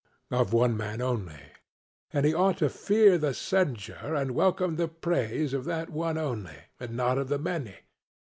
CRITO: Of one man only. SOCRATES: And he ought to fear the censure and welcome the praise of that one only, and not of the many?